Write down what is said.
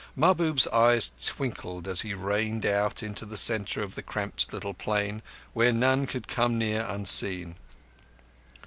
Mahbub's eyes twinkled as he reined out into the centre of the cramped little plain, where none could come near unseen.